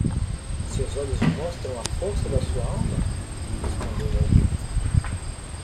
"Seus olhos mostram a força de sua alma?" respondeu o alquimista.